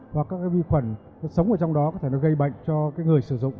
và các vi khuẩn sống ở trong đó có thể gây bệnh cho người sử dụng